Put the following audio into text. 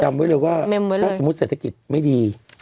ไว้เลยว่าถ้าสมมุติเศรษฐกิจไม่ดี